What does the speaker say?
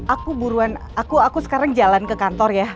aku buruan aku sekarang jalan ke kantor ya